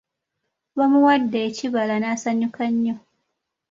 Bamuwadde ekibala n'asanyuka nnyo.